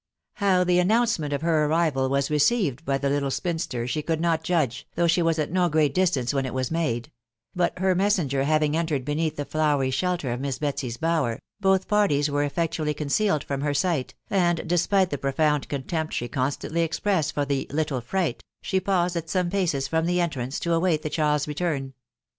How the announcement of Tier arrival was received by the little spinster she could not judge, though she was at no great distance when it was made ; but her messenger having entered beneath the flowery shelter of Miss Betsy's bower, both parties were effectually concealed from her sight, and despite the pro found contempt she constantly expressed for the " little fright," she paused at some paces from the entrance, to await the child's return.